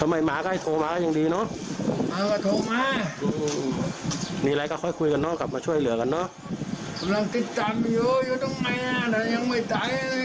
มีอะไรก็ค่อยคุยกันนะมาช่วยเหลือกันด้า